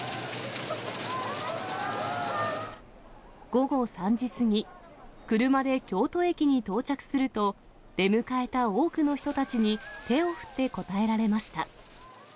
午後３時過ぎ、車で京都駅に到着すると、出迎えた多くの人たちに、手を振って応えられました。